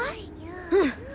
うん。